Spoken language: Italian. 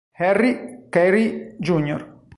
Harry Carey Jr.